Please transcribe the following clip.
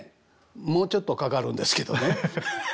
もうちょっとかかるんですけどね。